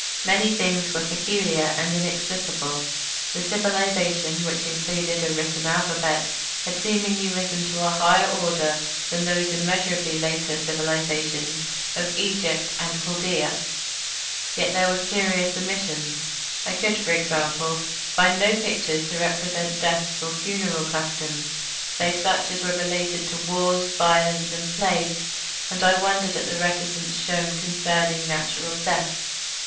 Many things were peculiar and inexplicable. The civilisation, which included a written alphabet, had seemingly risen to a higher order than those immeasurably later civilisations of Egypt and Chaldaea, yet there were curious omissions. I could, for example, find no pictures to represent deaths or funeral customs, save such as were related to wars, violence, and plagues; and I wondered at the reticence shewn concerning natural death.